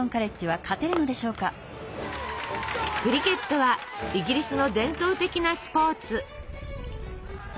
クリケットはイギリスの伝統的なスポーツ。